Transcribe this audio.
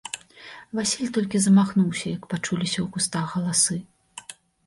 Васіль толькі замахнуўся, як пачуліся ў кустах галасы.